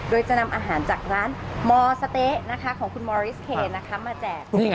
โดยจะนำอาหารจากร้านมอสะเต๊ะของคุณมอริสเคมาแจก